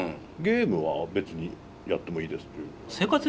ゲームは別にやってもいいですっていう。